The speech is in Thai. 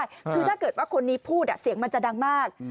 คือถ้าเกิดว่าคนนี้พูดเสียงมันจะดังมาก